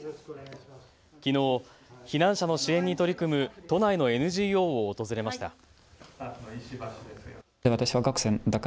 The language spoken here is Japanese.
きのう避難者の支援に取り組む都内のＮＧＯを訪れました。